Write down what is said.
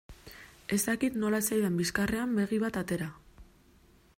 Ez dakit nola ez zaidan bizkarrean begi bat atera.